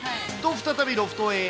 再び、ロフトへ。